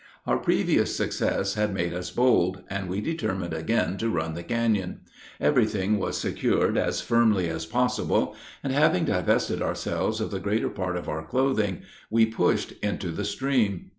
Our previous success had made us bold, and we determined again to run the canon. Every thing was secured as firmly as possible; and, having divested ourselves of the greater part of our clothing, we pushed into the stream.